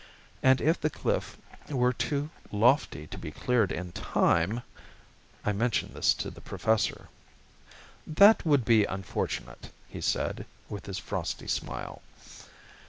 And if the cliff were too lofty to be cleared in time.... I mentioned this to the Professor. "That would be unfortunate," he said, with his frosty smile.